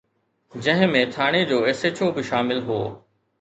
جنهن ۾ ٿاڻي جو ايس ايڇ او به شامل هو.